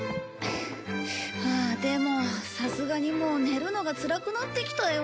ああでもさすがにもう寝るのがつらくなってきたよ。